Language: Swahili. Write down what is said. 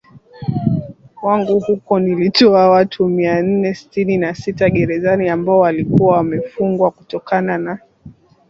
wanguHuko nilitoa watu mia nne sitini na sita gerezani ambao walikuwa wamefungwa kutokana